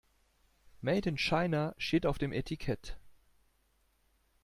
Made in China steht auf dem Etikett.